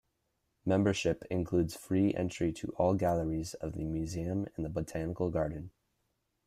Membership includes free entry to all galleries of the museum and the botanical garden.